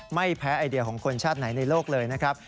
ไม่แพ้ไอเดียของคนชาติไหนในโลกเลยนะครับ